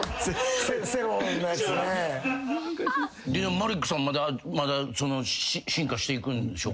マリックさんまだその進化していくんでしょう？